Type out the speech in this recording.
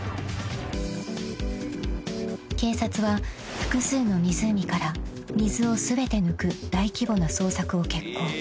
［警察は複数の湖から水を全て抜く大規模な捜索を決行］